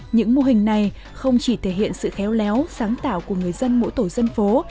những mô hình này không chỉ thể hiện sự khéo léo sáng tạo của người dân mỗi tổ dân phố